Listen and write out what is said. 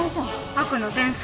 悪の天才。